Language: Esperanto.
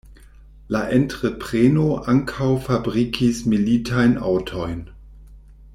La entrepreno ankaŭ fabrikis militajn aŭtojn.